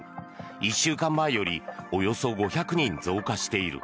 １週間前よりおよそ５００人増加している。